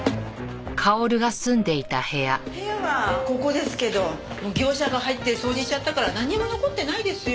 部屋はここですけど業者が入って掃除しちゃったからなんにも残ってないですよ。